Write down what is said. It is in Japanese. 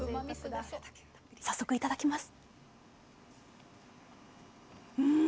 早速いただきます！